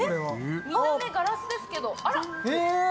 見た目ガラスですけど。